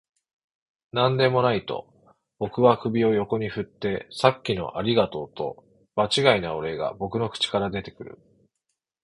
「何でもない」と僕は首を横に振って、「さっきのありがとう」と場違いなお礼が僕の口から出てくる